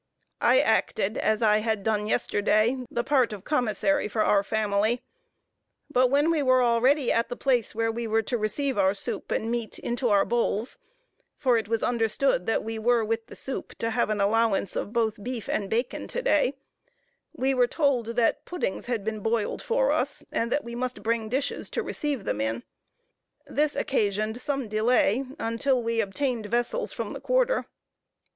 I acted, as I had done yesterday, the part of commissary for our family; but when we were already at the place where we were to receive our soup and meat into our bowls, (for it was understood that we were, with the soup, to have an allowance of both beef and bacon to day,) we were told that puddings had been boiled for us, and that we must bring dishes to receive them in. This occasioned some delay, until we obtained vessels from the quarter.